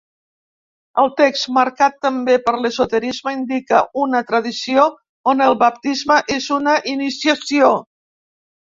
El text, marcat també per l'esoterisme, indica una tradició on el baptisme és una iniciació.